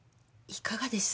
いかがです？